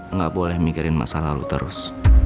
enggak boleh mikirin masa lalu terus